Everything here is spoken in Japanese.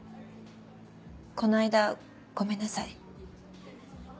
この間ごめんなさい。